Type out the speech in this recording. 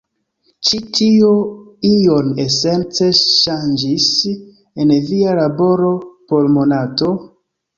Ĉu tio ion esence ŝanĝis en via laboro por Monato?